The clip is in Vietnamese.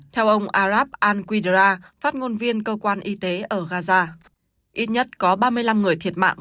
theo ông arab al qdra phát ngôn viên cơ quan y tế ở gaza ít nhất có ba mươi năm người thiệt mạng